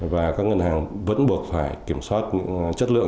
và các ngân hàng vẫn buộc phải kiểm soát chất lượng